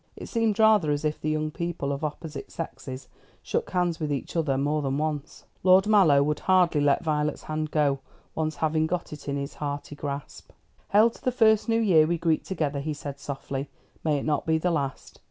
It seemed rather as if the young people of opposite sexes shook hands with each other more than once. Lord Mallow would hardly let Violet's hand go, once having got it in his hearty grasp. "Hail to the first new year we greet together," he said softly. "May it not be the last.